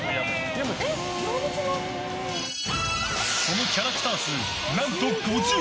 そのキャラクター数何と５０！